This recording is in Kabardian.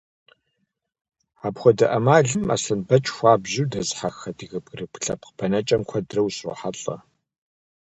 Апхуэдэ ӏэмалым Аслъэнбэч хуабжьу дэзыхьэх адыгэ бгырыпх лъэпкъ бэнэкӏэм куэдрэ ущрохьэлӏэ.